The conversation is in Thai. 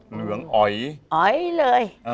เหลืองอ๋อยอ๋อยเลย